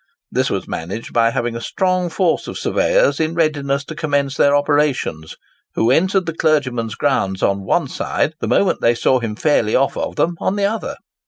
This was managed by having a strong force of surveyors in readiness to commence their operations, who entered the clergyman's grounds on one side the moment they saw him fairly off them on the other.